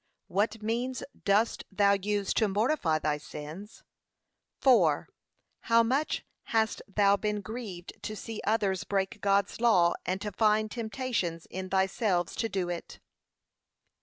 What means dust thou use to mortify thy sins? IV. How much hast thou been grieved to see others break God's law, and to find temptations in thyself to do it?